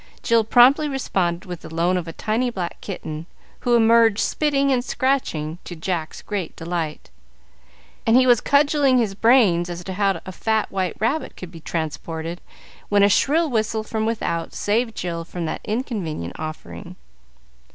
Jill promptly responded with the loan of a tiny black kitten, who emerged spitting and scratching, to Jack's great delight; and he was cudgelling his brains as to how a fat white rabbit could be transported, when a shrill whistle from without saved Jill from that inconvenient offering.